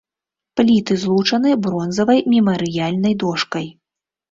Пліты злучаны бронзавай мемарыяльнай дошкай.